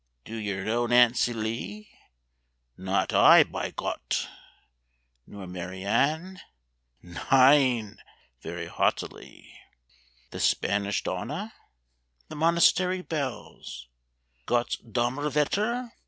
"Do yer know 'Nancy Lee'?" "Not I, bei Gott!" "Nor 'Mary Ann'?" "Nein" (very haughtily). "The 'Spanish Dona'—the 'Monastery Bells'?" "Gott's dammerwetter!